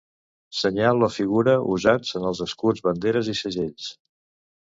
Senyal o figura usats en els escuts, banderes i segells.